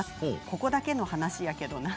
ここだけの話やけどな。